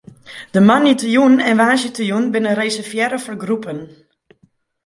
De moandeitejûn en woansdeitejûn binne reservearre foar groepen.